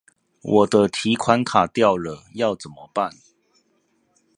我的提款卡掉了，要怎麼辦?